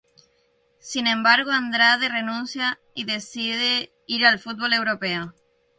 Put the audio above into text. Sin embargo, Andrade renuncia y decide ir al fútbol europeo.